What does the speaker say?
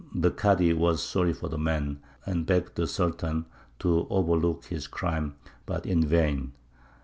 '" The Kādy was sorry for the man, and begged the Sultan to overlook his crime, but in vain.